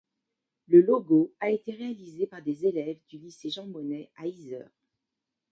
Le logo a été réalisé par des élèves du lycée Jean-Monnet, à Yzeure.